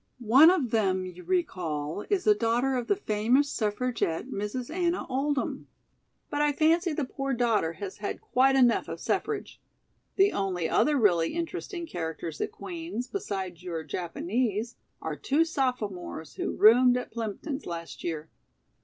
"One of them, you recall, is a daughter of the famous suffragette, Mrs. Anna Oldham. But I fancy the poor daughter has had quite enough of suffrage. The only other really interesting characters at Queen's, besides your Japanese, are two sophomores who roomed at Plympton's last year.